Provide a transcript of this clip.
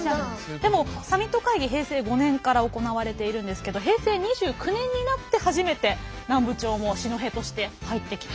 でもサミット会議平成５年から行われているんですけど平成２９年になって初めて南部町も四戸として入ってきた。